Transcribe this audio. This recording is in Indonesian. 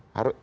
agar dia tahu